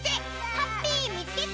ハッピーみつけた！